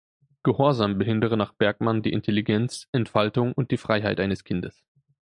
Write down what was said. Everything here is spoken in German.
Gehorsam behindere nach Bergmann die Intelligenz, Entfaltung und die Freiheit eines Kindes.